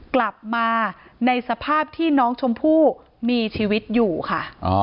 กลับมาในสภาพที่น้องชมพู่มีชีวิตอยู่ค่ะ